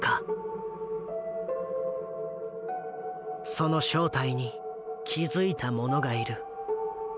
その正体に気付いた者がいる。